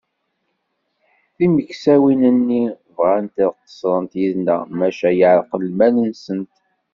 Timeksawin-nni bɣant ad qeṣṣrent yid-neɣ, maca yeɛreq lmal-nsent.